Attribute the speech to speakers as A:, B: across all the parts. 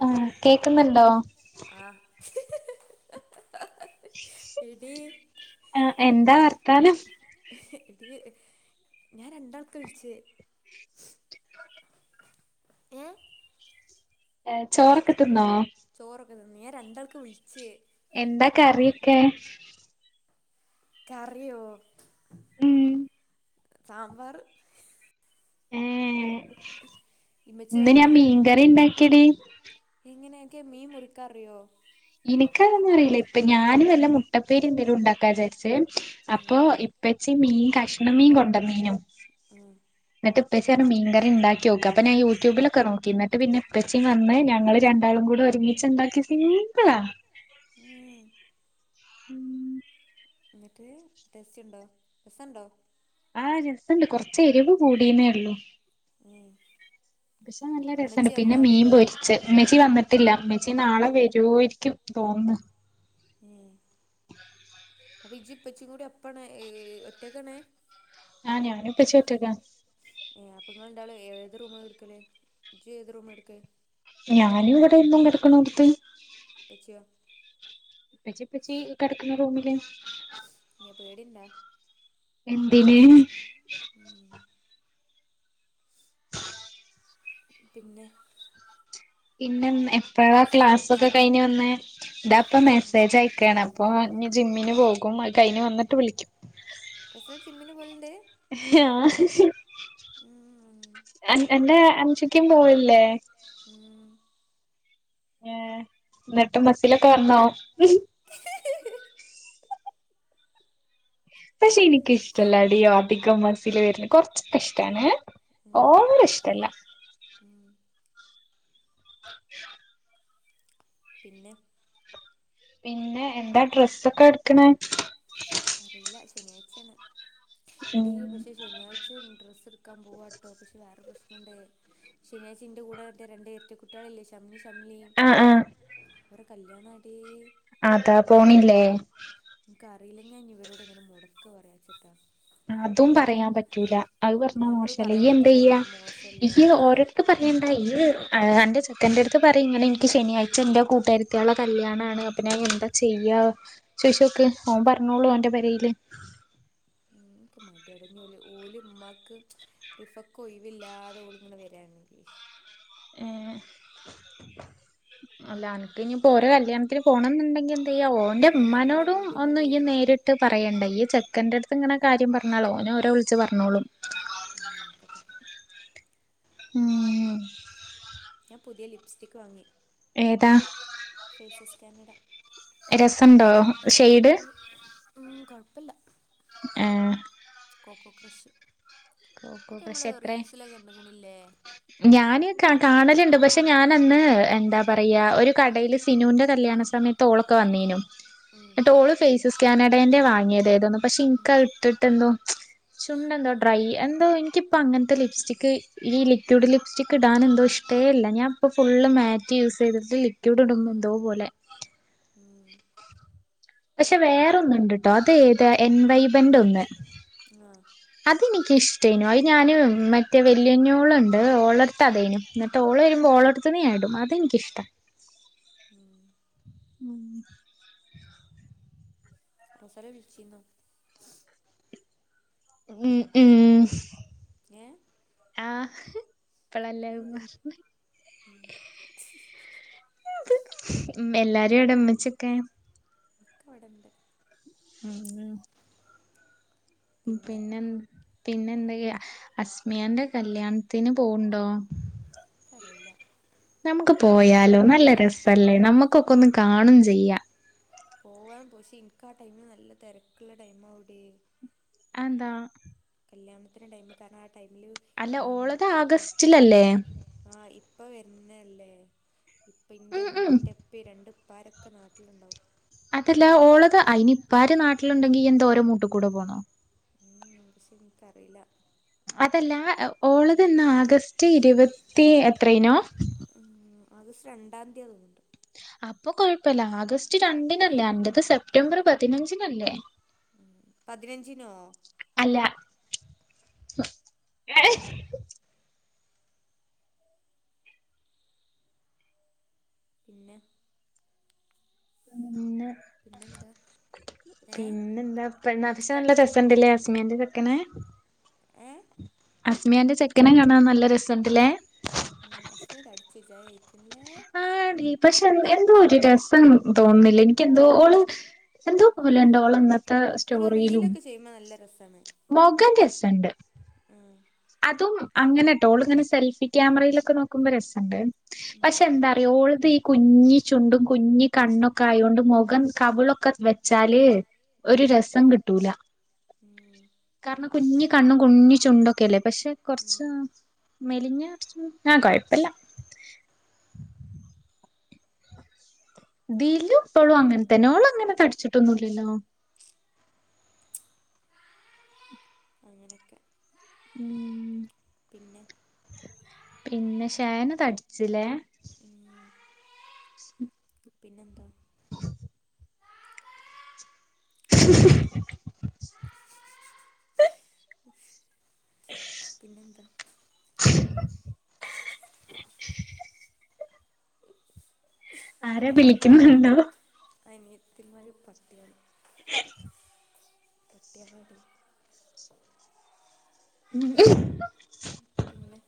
A: ആ
B: ആ എടീ
A: ആ എന്താ വർത്താനം
B: എടി ഞാൻ രണ്ടാൾക്കെ വിളിച്ചേ എ
A: എ ചോറൊക്കെ തിന്നോ
B: ചോറൊക്കെ ഞാൻ രണ്ടാൾക്ക് വിൾച്ചെ
A: എന്താ കറിയൊക്കെ
B: കറിയോ
A: ഉം
B: സാമ്പറ്
A: ഏഹ്
B: ഇമ്മച്ചി
A: ഇന്ന് ഞാൻ
B: വന്നാ
A: മീൻകറി ഉണ്ടാക്കിടി
B: എങ്ങനെയൊക്കെയാ മീൻ മുറിക്കാറിയോ
A: എനിക്കതൊന്നും അറിയില്ല ഇപ്പൊ ഞാനും വല്ല മുട്ടപ്പേര് എന്തെലും ഉണ്ടാക്കാന്ന് വിചാരിച്ചേ
B: ഉം
A: അപ്പൊ ഇപ്പ പച്ച മീൻ കഷ്ണം മീൻ കൊണ്ട മീനും
B: ഉം
A: എന്നിട്ട് ഇപ്പോച്ചാ മീൻകറി ഉണ്ടാക്കി നോക്ക അപ്പ ഞാൻ യൂട്യൂബിലൊക്കെ നോക്കിട്ട് പിന്നെ ഇപ്പോച്ചും വന്ന് ഞങ്ങള് രണ്ടാളും കൂടെ ഒരുമിച്ചുണ്ടാക്കിയാ സിംപിളാ
B: ഉം എന്നിട്ട് ടെസ്റ്റ് ഉണ്ടോ രസോണ്ടോ
A: ആഹ് രസോണ്ട് കൊറച്ച് എരിവ് കൂടീന്നേ ഉള്ളു
B: ഉം
A: പക്ഷെ നല്ല രസോണ്ട്
B: ഇമ്മച്ചി
A: പിന്നെ
B: വന്നാ
A: മീൻ പൊരിച്ച് മെച്ചി വന്നിട്ടില്ല മെച്ചി നാളെ വരുവാരിക്കും തോന്നുന്ന്
B: ഉം. അപ്പൊ ഇജി ഇപ്പച്ചും കൂടി ഒപ്പണ് ഒറ്റക്കാണ്
A: ഞൻ ഞാനും ഇപ്പച്ചീം ഒറ്റക്കാ
B: അപ്പ നിങ്ങൾ രണ്ടാളും ഏത് റൂം എടുക്കല് ജ്ജി ഏത് റൂം എടുക്കേ
A: ഞാനും ഇവിടെ ഇന്നും കിടക്കണ അടുത്ത്
B: പ്പച്ചിയോ
A: ഇപ്പച്ചിപ്പച്ചി കിടക്കുന്ന റൂമില്
B: നെ പേടിണ്ടാ
A: എന്തിന്
B: ഉം പിന്നെ
A: ഇന്നന്നെ എപ്പോഴാ
B: റസൽ
A: ക്ലാസ്സൊക്കെ
B: വിളിച്ചിരുന്ന
A: കഴിഞ്ഞ് വന്നെ ഇതാ പ്പം മെസ്സേജ് അയക്കാണ് അപ്പോ ന് പോകും അത് കയ്ന് വന്നിട്ട് വിളിക്കും
B: [unintelligible] ജിമ്മിന് പൊല്ണ്ട്
A: ആഹ്
B: ഉം,
A: എൻ എന്റെ അൻഷിക്കിം പോവൽല്ലേ
B: ഉം,
A: ഏഹ് ന്നിട്ട് മസിലൊക്കെ വന്നോ പക്ഷേ ഇനിക്കിഷ്ടല്ലടീ അതികം മസില് വര്ന്ന് കൊർച്ചൊക്കെ ഇഷ്ടാണ്
B: ഉം,
A: ഓവറ് ഇഷ്ടല്ല
B: ഉം. പിന്നെ
A: പിന്നെ എന്താ ഡ്രസ്സൊക്കെ എടുക്ക്ണ്
B: അറിയില്ല ശനിയാഴ്ചയാണ് എടീ
A: ഉം
B: പക്ഷേ ശനിയാഴ്ച്ചിം ഡ്രസ്സ്ട്ക്കാൻ പോവാട്ടോ പക്ഷേ വേറെരു പ്രശ് നംണ്ടേ ശനിയാഴ്ച ഇന്റെ കൂടെ ര്ന്റെ രണ്ട് എര്റ്റ കുട്ട്യാളില്ലേ ഷംനി ഷി ചംലീം
A: ആഹ്
B: ഓരെ കല്ല്യാണാടീ
A: ആതാ പോണില്ലേ
B: ഇൻക്കറീലഞ്ഞി ഞാൻഞ്ഞി ഇവരോടെങ്ങനെ മൊടക്ക് പറയാചിട്ടാ
A: അതും പറയാൻ പറ്റൂല അത് പർഞ്ഞാ
B: നമ്മൾ
A: മോശല്ലേ
B: പറയാൻ
A: ഇയ്യെന്തെയ്യാ
B: പറ്റൂലല്ലോ മോശമല്ലേ
A: ഇയ്യ് ഓരോര്ക്ക് പറയണ്ടാ ഇയ്യ് അത്‌ അൻ്റെ ചെക്കന്റെട്ത്ത് പറയ് ഇങ്ങനെ ഇൻക്ക് ശനിയാഴ്ചൻ്റെ കൂട്ടേര്ത്ത്യാളെ കല്ല്യാണാണ് അപ്പൊ ഞാൻ എന്താ ചെയ്യാ ശശോക്ക് ഓൻ പറഞ്ഞോളൂ ഓന്റെ പരയില്
B: എങ്ങക്ക് മട്ടിയ അടഞ്ഞ ഓല ഉമാക്ക് റിഫക്ക് ഒയവില്ലാതെ ഓള ഇങ്ങനെ വരണേ [unintelligible]
A: ഏ അല്ല അനക്ക് ഇനിപ്പോ ഓര കല്യാണത്തിന് പോണംന്നുണ്ടെങ്കിൽ ചെയ്യ
B: എനിക്ക്
A: ഓന്റെ
B: പോകാൻ നല്ല
A: ഉമ്മനോടും
B: പൂതിണ്ടടി
A: ഒന്നും നേരിട്ട് പറയണ്ട ഈ ച മക്കന്റെ അടുത്ത് ഇങ്ങനെ കാര്യം പറഞ്ഞാലോ ഓന ഓരോ വിളിച്ച് പറഞ്ഞോളും
B: [unintelligible]
A: ഉം
B: ഞാൻ പുതിയ ലിപ്സ്റ്റിക്ക് വാങ്ങി
A: ഏതാ
B: ഫേസസ് കാനഡ
A: രസണ്ടോ ഷെയ്ഡ്
B: ഉം കുഴപ്പില്ല
A: ആ
B: കോക്കോ ക്രഷ്
A: കോക്ക
B: മറ്റേ
A: ക്രഷ്
B: നമ്മള്
A: എത്രായി
B: റീൽസിലൊക്കെ കണ്ട്ക്കണില്ലേ
A: ഞാന് കാ കാണലുണ്ട് പക്ഷെ ഞാനന്ന് എന്താ പറയാ യാ ഒര് കടയില് സിനൂന്റ കല്യാണസമയത്ത് ഓളക്ക വന്നേനു
B: ഉം
A: ട്ട് ഓള് ഫെയിസസ് കാനഡാൻറെ വാങ്ങിയത് പക്ഷെ ഇനിക്ക് ഇട്ടിട്ട് എന്തോ ചുണ്ടന്തോ ഡ്രൈ എന്തോ എനിക്കിപ്പോ അങ്ങനത്തെ ലിപ്സ്റ്റിക് ഈ ലിക്വിഡ് ലിപ്സ്റ്റിക്ക് ഇടാൻ എന്തോ ഇഷ്ടേല്ല ഞാൻ ഇപ്പോ ഫു ള്ള് മാറ്റ് യൂസ് ചെയ്തിട്ട് ലിക്വിഡ് ഇടമ്പോ എന്തോ
B: ഉം
A: പോലെ
B: ഉം
A: പക്ഷെ വേറൊന്നണ്ട് ട്ടോ അതേത എൻവൈമെന്റ് ഒന്ന്
B: ഉം ആഹ്
A: അതെനിക്ക്ഷ്ടേനു അത് ഞാന് മറ്റേ വല്യഞ്ഞോളുണ്ട് ഓളട്ത്താതേനു. എന്നിട്ട് ഓ ള് വരുമ്പോ ഓളട്ത്ത്ന് ഞായിടും അതെനിക്കഷ്ട
B: ഉം
A: [inaudible]
B: സര വിളിച്ചിന്നോ
A: ഉ ഉം
B: എഏ
A: ആഹ് ഇപ്പഴല്ല
B: ഉം
A: പറ എല്ല ഒരെടമ്മിച്ചൊക്കെ
B: ഒക്കെ അവിടെണ്ട്
A: ഉം
B: പിന്നെ
A: പിന്നെന് പിന്നെ എന്താക്കെയാ അസ്മിയാന്റെ കല്യാണത്തിന് പോവ്ണ്ടോ
B: കറിയില്ല
A: നമുക്ക് പോയാലോ നല്ല രസല്ലേ നമ്മുക്കൊക്കെ ഒന്ന് കാണും ചെയ്യാം
B: പോവാൻ പക്ഷേ എനിക്ക് ആ ടൈം നല്ല തിരക്കുള്ള ടൈമാ അവിടെ
A: എന്താ
B: കല്യാണത്തിന്റെ ടൈമ കാരണം ആ ടൈമില്
A: അല്ല ഓളത് ആഗസ്റ്റിലല്ലേ
B: ആ ഇപ്പ വവെര്ന്നല്ലേ ഇപ്പ ഇ
A: ഉം ഉം
B: ഇന്റെപ്പ രണ്ടപ്പാരൊക്കെ നാട്ടിലുണ്ടാവും
A: അതല്ല ഓള്ളത് അയിനി ഇപ്പാര് നാട്ടിലുണ്ടെങ്കി ഇയ്യെന്ത ഓര മൂട്ടി കൂടെ പോണോ
B: [inaudible]
A: അതല്ല ഓളതന്നാ ആഗസ്റ്റ് ഇരുപത്തി എത്രേനോ
B: ഉ ആഗസ്റ്റ് രണ്ടാം തീയതി തുന്നുണ്ട്
A: അപ്പൊ കൊഴപ്പില്ല ആഗസ്റ്റ് രണ്ടിനല്ലേ അന്റെത് സെപ്റ്റംബർ പതിനഞ്ചിനല്ലേ
B: ഉ പതിനഞ്ചിനോ
A: ല്ല ഏ
B: പിന്നെ
A: ഉം
B: പിന്നെന്താ
A: [inaudible]
B: ഏ
A: പിന്നെന്താവിശ നല്ല ചസ ഉണ്ടല്ലേ സമന്റെ ചെക്കനെ
B: ഏ
A: അസ്മിയാന്റെ ചെക്കന കാണാ ൻ നല്ല രസമുണ്ടല്ലേ
B: ഉം അസ്മിയ തടിച്ചഅല്ലേ
A: ആ ഡി പക്ഷെ എന്തോ ഒരു രസം തോന്നുന്നില്ല എനിക്ക് എന്തോ ഓള് എന്തോ പോലയുണ്ട് ഇന്നത്തെ
B: ഓള്
A: സ്റ്റോറിയിലും
B: റീലൊക്കെ ചെയ്യുമ്പോ നല്ല രസാണ്
A: മോഖം രസുണ്ട്
B: ആ
A: അതും അങ്ങനെട്ടോ ഓളിങ്ങനെ സെൽഫി ക്യാമറയിലൊക്കെ നോക്കുമ്പോ രസുണ്ട്
B: ഉം
A: പക്ഷെ എന്താറിയോ ഓള്ളത് ഈ കുഞ്ഞി ചുണ്ടും കുഞ്ഞ് കണ്ണൊക്കെ ആയോണ്ട് മുഖം കവിളൊക്കെ വെച്ചാല്
B: ഉം
A: ഒരു രസം കിട്ടൂല
B: ഉം
A: കാരണം കുഞ്ഞ്കണ്ണും കുഞ്ഞ് ചുണ്ടൊക്കെല്ല പക്ഷെ
B: ഉം
A: കുറച്ച് മെലിഞ്ഞ ആ കുഴപ്പില്ല ദിലും ഇപ്പോളും അങ്ങന തന്നെ ഓള് അങ്ങനെ തടിച്ചിട്ടൊന്നുമില്ലല്ലോ
B: അങ്ങനെയൊക്കെ
A: ഉം
B: പിന്നെ
A: പിന്നെ ഷേന തടിച്ചില്ലേ
B: പിന്നെ എന്താ പിന്നെ പിന്നെന്താ
A: ആരാ വിളിക്കുന്നുണ്ടോ
B: അനിയത്തിന്മാരി പട്ടികളായാണ് പട്ടികളാടി
A: ഉം
B: പിന്നെ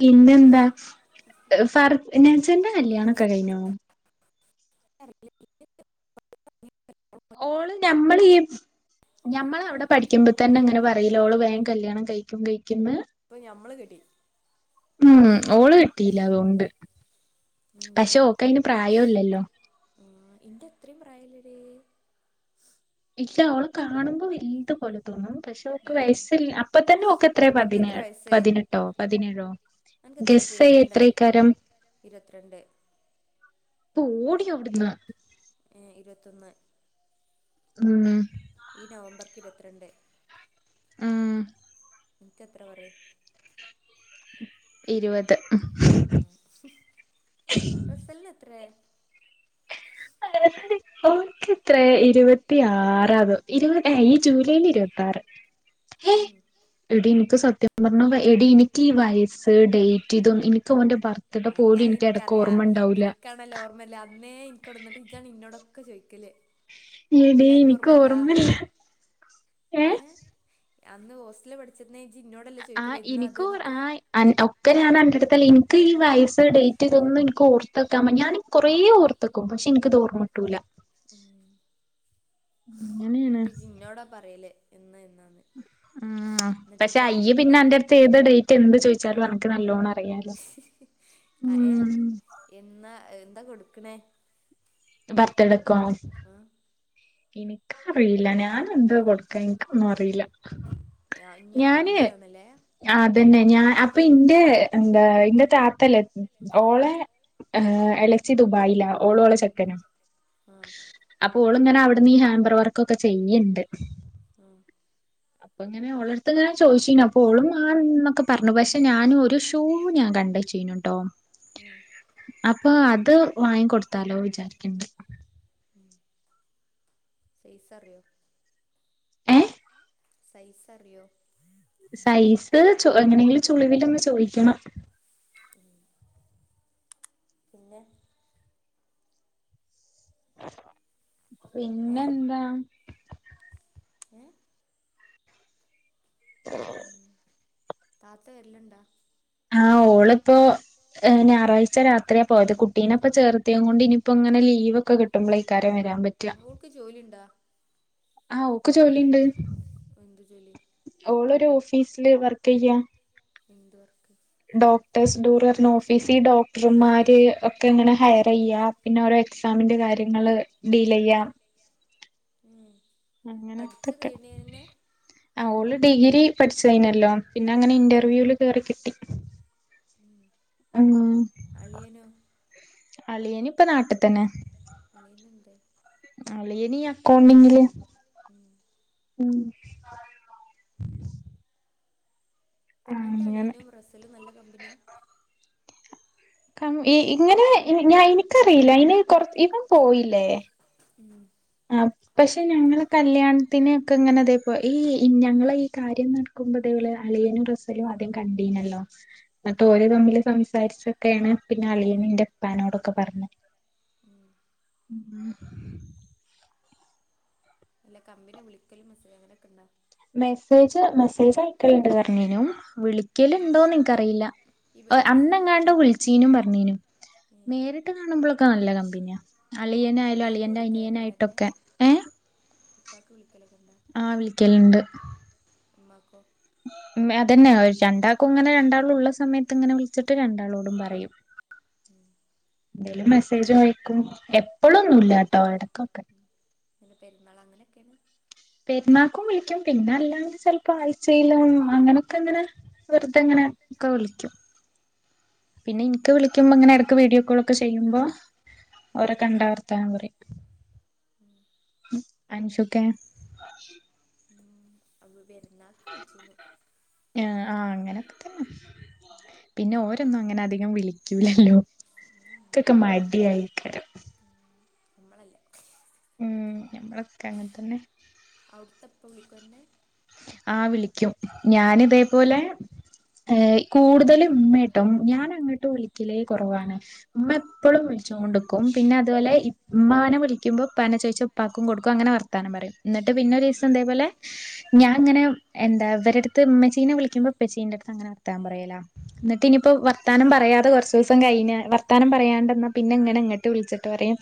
A: പിന്നെന്താ ഫർ നെച്ചന്റെ കല്യാണൊക്കെ കഴിഞ്ഞോ ഓള് ഞമ്മള് ഈ ഞമ്മൾ അവിടെ പഠിക്കുമ്പം തന്നെ അങ്ങനെ പറയില അവള് ഓള് വേഗം വേഗം കല്യാണം കഴിക്കും കഴിക്കന്ന്
B: അപ്പൊ ഞമ്മള് കെട്ടി
A: ഉം ഓള് കെട്ടില്ല അതൊണ്ട് പക്ഷെ
B: ഉം
A: ഓക്ക് അയിന് പ്രായമില്ലല്ലോ
B: എന്റെ എത്രയും പ്രായല്ലടി
A: ഇല്ല അവള് കാണുമ്പോ വലുത്പോലെ തോന്നും പക്ഷെ ഓക്ക്
B: ഉം
A: വയസ്സ ഇല്ലഅപ്പ തന്നെ ഓക്ക് എത്രയ
B: അനക്ക്
A: പതിനേ
B: എത്ര വയസ്സ്
A: പതിനെട്ടോ പതിനേഴോ
B: അനക്ക് എത്ര
A: ഗസ്സ ചെയ്യ് എത്രയാക്കരം
B: ഇരുപത്തി രണ്ട്
A: പോടീ അവിട്ന്നാ
B: ഏ ഇരുപത്തൊന്ന്
A: ഉം
B: ഈ നവംബര്ക്ക് ഇരുപത്തിരണ്ട്
A: ആ
B: എനിക്കെത്ര പറയും
A: ഇരുപത്
B: റസലിന് എത്ര
A: ഓൾക്ക് ഇരുപത്തിയാറാതോ ഇരുപ ഈ ജൂലൈയില് ഇരുപത്തി ഇറുത്താറ്
B: ഉം
A: എടി എനിക്ക് സത്യ- സത്യം പറഞ്ഞ എടി എനിക്ക് ഊ വയസ്സ് ഡേറ്റ് ഇതൊന്നും എനിക്ക് ഓന്റെ ബർത്ത്ഡേ പോലും
B: ഞാ
A: എനിക്ക് ഇടക്ക്
B: എനിക്കറിയാം
A: ഓർമ്മ ഉണ്ടാവൂല
B: എനിക്കാണല്ലേ ഓർമ്മല്ല അന്നേ ഇനിക്കോടന്ന ടീച്ചാണ് ഇന്നോട ഒക്കെ ചോദക്കലേ
A: ഏട എനിക്ക് ഓർമ്മല്ല ഏ
B: അന്ന് ഹോസ്റ്റലിൽ പഠിച്ച
A: ആഹ് എനിക്ക ആ് ഒക്കെ ഞൻണ്ടടുത്തൽ ഈ വയസ്സ ഡേറ്റ്ൊന്നും ഓർത്തക്കാൻ ഞാൻ കൊറേ ഓർത്തക്കും പക്ഷെ എനക്ക്ത്ോർമ്മമുട്ടൂല്ല അങ്ങനെയാണ്
B: ഉട്ട് ജിന്നോടാ പറയല എന്നമ
A: ഉ പക്ഷെ അയ്യ പിന്നെ അന്റെറ അടുത്ത് ഏത് ഡേറ്റ് എന്ത് ചോയിിച്ചാലും എനക്ക് നല്ലോണം അറിയാലോ
B: ആ ഏ
A: ഉം
B: എന്നാ എന്താ കൊടുക്കണേ
A: ഭർത്തെടക്കോ എനിക്ക അറിയില്ല ഞാന എന്ത കൊടുക്കാൻ എനിക്കൊന്നും അറിയില്ല
B: ഇനി അവിടെ ആണല്ലേ
A: തന്നെ ഞാൻ അപ്പൊ ഇന്റെ എന്താ ഇന്റെ താത്തല്ലേ ഓളെ അലക്സി ദുബായില ഓളോ
B: ആ
A: അപ്പോളും ഞനെ അവിടുന്ന് ഈ ഹാൻബർ വർക്കൊക്കെ ചെയ്യണ്ട്
B: ഉം
A: അപ്പൊ ഇങ്ങനെ ഓളടത്ത് ഞാൻ ചോദിച്ചി അപ്പോളും ആന്നൊക്കെ പറഞ്ഞു പക്ഷെ ഞാനും ഒരു ഷൂ ഞാൻ കണ്ടച്ചീനുട്ടോ
B: ഉം
A: അപ്പൊ അത് വാങ്ങിിക്കൊടുത്താലോ വിചാരിക്കണ്ട്
B: സേസ് അറിയോ
A: ഏ
B: സൈസ് അറിയോ
A: സൈസ് ച എങ്ങനെങ്കിലും ചുളിവിില ഒന്ന് ചോദിക്കണം
B: പിന്നെ
A: പിന്നെ എന്താ
B: ഉഏ
A: ആഹ
B: താത്ത വല്ലണ്ടാ
A: ആഹ ഓളിപ്പോൊ ഞായറാഴ്ചത്രിയ പോയത് കുട്ടീെപ്പൊ ചേർത്തയത കൊണ്ട് ഇനിപ്പോ ഇങ്ങനെ ലീവൊക്കെ കിട്ടുമ്പോള ഇഈക്കാരെ വ
B: അവൾക്ക് ജോലിുണ്ടാ
A: ആഹ ഒക്കെ ചോലിുണ്ട്
B: ഒന്തുു ജലി
A: ഫീസ്ില വർക്ക ചെയയ
B: ഇന്ദോർ
A: ഡോക്ടേഴസ് ഡൂർ ഓഫീസിൽ ഡോക്ടർമാര് ഒക്കെ അങ്ങനെ ഹയർ ചെയ്യാ പിന്നെ ഓരോ എക്സാമിന്റെ കാര്യങ്ങള് ഡീൽ ചെയ്യാം
B: ഉം പഠിച്ചു
A: അങ്ങനെത്തൊക്കെ
B: നേടിയന്നെ
A: അള് ഡിഗ്രി പഠിച്ചനല്ലോ പിന്നെ അങ്ങനെ
B: ഉം
A: ഇന്റർവ്യൂല് കേറി കിട്ടി
B: ഉം
A: ഉ
B: അളിയനോ
A: അളിയനി ഇപ്പ നാട്ടിൽത്തന്നെ
B: മനിയല്ലണ്ട്
A: ആല്ലേ ഇനി അക്കൗണ്ടിങ്ങില്
B: ഉം
A: ഉം ആ
B: എന്റെ
A: അങ്ങനെ
B: അളിയനും റസലും നല്ല കമ്പനിയാ
A: ക ഇങ്ങനെ ഞാൻ എനിക്കറിയില്ല അന് കൊറ ഇവൻ പോയില്ലേ
B: ഉം
A: ആ പക്ഷെ ഞങ്ങള് കല്യാണം ത്തിന്നെയൊക്കെ ഇങ്ങനെ അതേപ്പോ ഈ ഞങ്ങൾ ഈ കാര്യം നടക്കുമ്പോ അതേ അളിയനും റസലും ആദ്യം കണ്ടീനല്ലോ എന്നിട്ട്
B: ഉം
A: ഓരോ തമ്മില് സംസാരിച്ചൊക്കെയാണ് പിന്നെ അളിയൻ എറെപ്പാനോടൊക്കെ പറഞ്ഞത്
B: ഉം
A: അ
B: അല്ല കമ്പിനെ വിളിക്കലും മസ്സജ അങ്ങനെയൊക്കെ ഉണ്ടോ
A: മെസ്സേജ് മെസ്സേജ് ആയക്കലിണ്ട് കഞ്ഞനും
B: ഉം
A: വിളിക്കലുണ്ടോന്ന് നിനക്ക്റിയില്ല
B: ഈ
A: അന്ന
B: റസല്
A: എങ്ങാണ്ടോ വിളിച്ചീനും പറഞ്ഞനും
B: ഉം
A: നേരിട്ട് കാണുമ്പോഴൊക്കെ നല്ലത പിന്നെ അളിയന ആയാലോ
B: ഇപ്പാക്ക്
A: അളിയറെ അനിയന ആായിട്ടൊക്കെ ഏഹ
B: ഇപ്പാക്കക്ക്ളും
A: ആ വിളിക്കലണ്ട്
B: എക
A: മ അതന്നെ ഒരു രണ്ടാൾക്കും ഇങ്ങനെ രണ്ടാൾ ഉള്ള സമയത്ത് ഇങ്ങനെ വിളിച്ചിട്ട പത്ത് രണ്ടാളോടും പറയും
B: ഉം
A: എന്തേലും മെസ്സേജ് കഴിക്കും എപ്പഴൊന്നുമല്ലാട്ടോ എടക്കൊക്കെ
B: പിന്നെ പെരുമാൾ അങ്ങനെയൊക്കെയാണ്
A: പെരുമാക്കും വിളിക്കും പിന്നെ അല്ലാണ്ട് ചപ്പോ ആ ചെയലം അങ്ങനെയൊക്കെ അങ്ങനെ വെറുതെങ്ങനെ
B: ഉം
A: ഒക്കെ വിളിക്കും പിന്നെ എനിക്ക് വിളിക്കുമ്പോ
B: ഉം
A: ഇങ്ങനെ ഇടക്ക് വീഡിയോ കോൾ ഒക്കെ ചെയ്യുമ്പോ ഓര കണ്ട വർത്തം കുറി അനഷുക്കെ അക്ഷ
B: ഉ അവ വരുന്നാക്ക് വിളിച്ചിു
A: ആഹ അങ്ങനെൊക്കെ തന്നെ പിന്നെ ഓരോന്നും അങ്ങനെ അധികം വിളിക്കൂലല്ലോ ഇൊക്കെ മാ ആയിക്ക
B: നമ്മളല്ല
A: ഉം നമ്മളൊക്കെ അങ്ങനെ തന്നെ
B: അവിടുത്തെപ്പ വിളിക്കന്നെ
A: ആ വിളിക്കും ഞാന ഇതേപോലെ ഏ കൂടുതല ഇേട്ടും ഞാൻ അങ്ങോട്ടും ഒളിക്കലേ കുറവാണ് ഉമ്മ എപ്പോഴും വിളിച്ചുക കൊണ്ട്ക്കും പിന്നെ അതുപോലെ ഇ്മാന വിളിക്കുമ്പോ പന ചോയിച്ച ഉപ്പാക്കും കൊടുക്കും അങ്ങനെ വർത്താനം പറയും എന്നിട്ട് പിന്നെ ഒരു
B: ഉം ഉം
A: ദിവസം ഇതേപോലെ ഞാൻ ഇങ്ങനെ എന്താ ഇവരടുത്ത് ീനെ വിളിക്ക്പൊ പെച്ചീന്റെ അടുത്ത് അങ്ങനെ വർത്താം പറയല എന്നിട്ട ഇനിപ്പപ്പോ വർത്തം പറയാതെ കുറച്ച ദിവസം ക വർത്താനം പറണ്ടെന്ന പിന്നെ ഇങ്ങനെ എങ്ങോട്ട് വിളിച്ചിട്ട് പറയും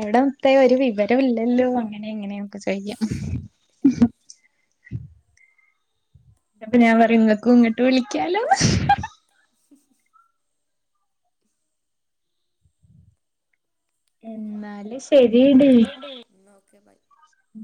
A: എവിടെ മത്തേ ഒരു വിവരം ഇില്ലല്ലോ അങ്ങനെ എങ്ങനെയൊക്കെ ചെയ്യാം അപ്പൊ
B: ഉം
A: ഞാൻ
B: ഉം
A: പറയതക്ക ഇങ്ങോട്ട് വിളിക്കാലോ എന്നാല
B: ശരി ഓക്കെ ബൈ
A: ഉം